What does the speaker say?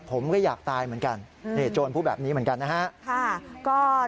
ผมก็อยากตายเหมือนกันโจรผู้แบบนี้เหมือนกัน